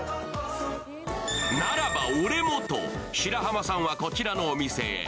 ならば俺もと、白濱さんはこちらのお店へ。